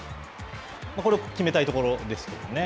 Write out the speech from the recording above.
これは決めたいところですね。